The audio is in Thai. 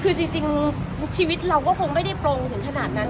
คือจริงชีวิตเราก็คงไม่ได้ปลงถึงขนาดนั้น